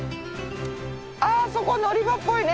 あああそこ乗り場っぽいね。